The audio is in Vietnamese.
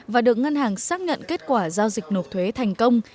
và được ngân hàng xác nhận kết quả giao dịch nộp thuế thành công